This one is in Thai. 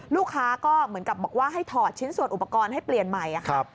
ลูกค้าก็เหมือนกับบอกว่าให้ถอดชิ้นส่วนอุปกรณ์ให้เปลี่ยนใหม่ค่ะ